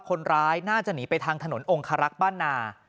คนร้ายน่าจะหนีไปทางถนนองคารักษ์บ้านนา